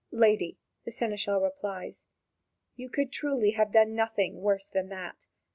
"Lady," the seneschal replies, "you could truly have done nothing worse than that.